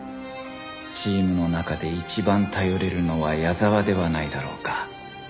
チームの中で一番頼れるのは矢沢ではないだろうか